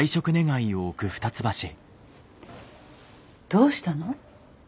どうしたの？